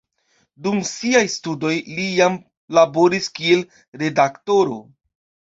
Dum siaj studoj li jam laboris kiel redaktoro.